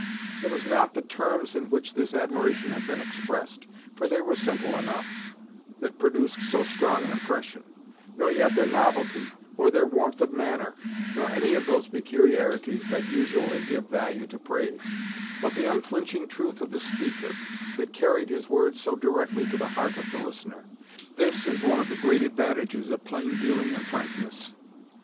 It was not the terms in which this admiration had been expressed, for they were simple enough, that produced so strong an impression; nor yet their novelty, or their warmth of manner, nor any of those peculiarities that usually give value to praise; but the unflinching truth of the speaker, that carried his words so directly to the heart of the listener. This is one of the great advantages of plain dealing and frankness.